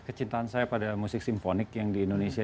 kecintaan saya pada musik simfonik yang di indonesia